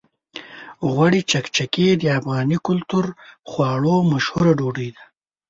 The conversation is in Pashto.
غوړي چکچکي د افغاني کلتوري خواړو مشهوره ډوډۍ ده.